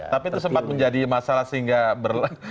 tapi itu sempat menjadi masalah sehingga ber